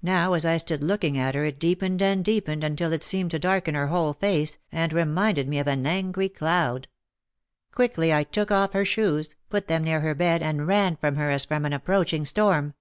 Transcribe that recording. Now as I stood looking at her it deepened and deepened until it seemed to darken her whole face, and reminded me of an angry cloud. Quickly I took off her shoes, put them near her bed and ran from her as from an approaching storm.